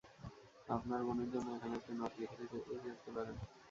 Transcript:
আপনার বোনের জন্য এখানে একটি নোট লিখে রেখে যেতে পারেন।